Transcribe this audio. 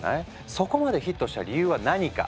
そこまでヒットした理由は何か？